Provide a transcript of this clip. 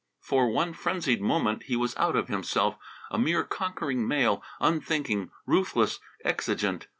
For one frenzied moment he was out of himself, a mere conquering male, unthinking, ruthless, exigent.